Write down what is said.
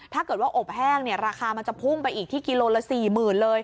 ถ้าเกิดว่าอบแห้งราคามันจะพุ่งไปอีกที่กิโลละ๔๐๐๐๐บาท